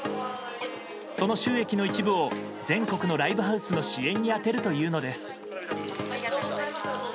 その収益の一部を全国のライブハウスの支援に充てるというのです。